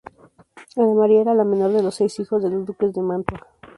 Ana María era la menor de los seis hijos de los duques de Mantua.